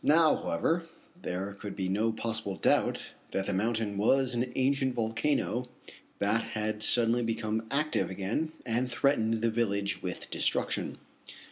Now, however, there could be no possible doubt that the mountain was an ancient volcano that had suddenly become active again and threatened the village with destruction.